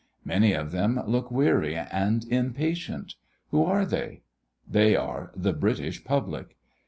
Many of them look weary and impatient. Who are they? They are the British public.